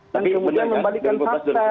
tapi kemudian membalikan fakta